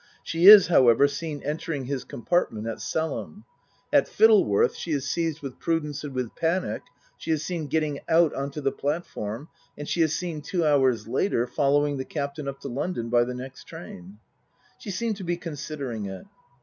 She is, however, seen entering his com partment at Selham. At Fittleworth she is seized with prudence and with panic. She is seen getting out on to the platform. And she is seen two hours later following the Captain up to London by the next train." She seemed to be considering it.